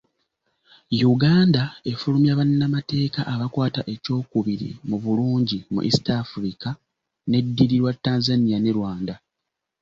Uganda efulumya bannamateeka abakwata ekyokubiri mu bulungi mu East Africa n'eddirirwa Tanzania ne Rwanda.